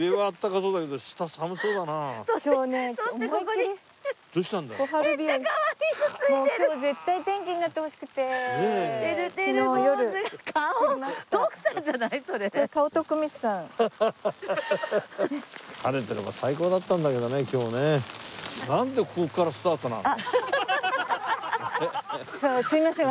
そうすいません。